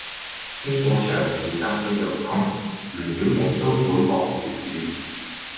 經過長時間嘅融合，唔少人都會學粵語